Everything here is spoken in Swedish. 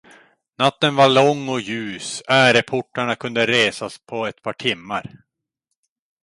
Natten var lång och ljus, äreportarna kunde resas på ett par timmar.